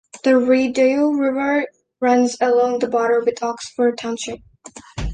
The Rideau River runs along the border with Oxford Township.